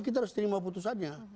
kita harus terima putusannya